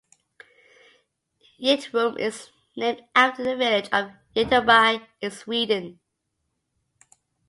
Yttrium is named after the village of Ytterby in Sweden.